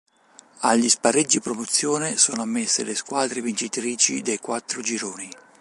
Agli spareggi promozione sono ammesse le squadre vincitrici dei quattro gironi.